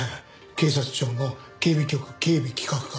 警察庁の警備局警備企画課。